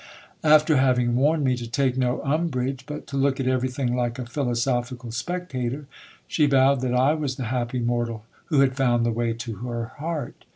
After having warned me to take no umbrage, but to look at everything like a philosophical spectator, she vowed that I was the happy mortal who had found the way to her heart.